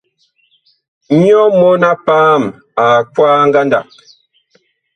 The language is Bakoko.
Nyɔ mɔn-a-paam ag kwaa ngandag.